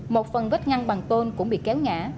một phần vết ngăn bằng tôn cũng bị kéo ngã